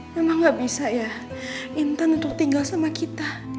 memang gak bisa ya intan untuk tinggal sama kita